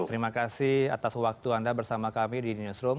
terima kasih atas waktu anda bersama kami di newsroom